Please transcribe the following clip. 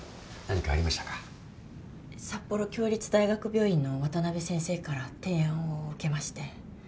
札幌共立大学病院の渡辺先生から提案を受けまして。